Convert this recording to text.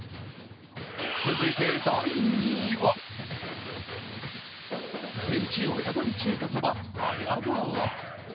続いて第２位は手打親鶏中華そば綾川。